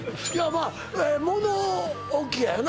まあ物置やよな